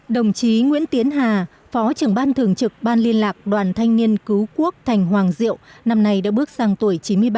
đồng chí nguyễn tiến hà phó trưởng ban thường trực ban liên lạc đoàn thanh niên cứu quốc thành hoàng diệu năm nay đã bước sang tuổi chín mươi ba